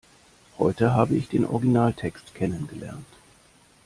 Heute habe ich den Originaltext kennen gelernt.